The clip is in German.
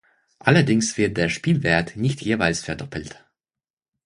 Allerdings wird der Spielwert nicht jeweils verdoppelt.